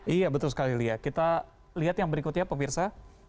iya betul sekali lia kita lihat yang berikutnya pemirsa